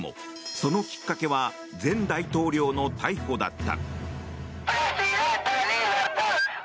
そのきっかけは前大統領の逮捕だった。